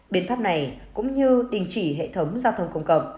biện pháp này cũng như đình chỉ hệ thống giao thông công cộng